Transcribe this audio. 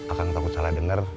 akang takut salah denger